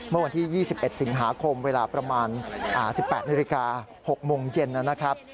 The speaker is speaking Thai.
เมื่อวันที่๒๑สิงหาคมเวลาประมาณ๑๘นาฬิกา๖โมงเย็นนะครับ